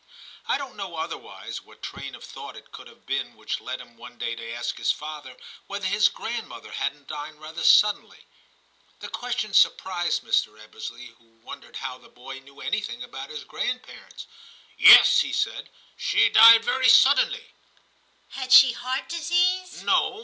I don't know otherwise what train of thought it could have been which led him one day to ask his father whether his grandmother hadn't died rather suddenly. The question surprised Mr. 240 TIM CHAP. Ebbesley, who wondered how the boy knew anything about his grandparents. * Yes/ he said, 'she died very suddenly/ * Had she heart disease ?'* No.